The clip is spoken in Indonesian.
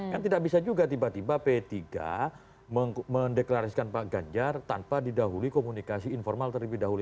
kan tidak bisa juga tiba tiba p tiga mendeklarasikan pak ganjar tanpa didahului komunikasi informal terlebih dahulu